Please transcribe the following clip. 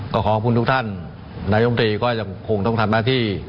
ก็ขอบคุณทุกท่านนายมตรีก็ยังคงต้องทำหน้าที่